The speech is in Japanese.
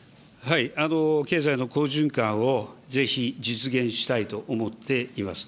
経済の好循環をぜひ実現したいと思っています。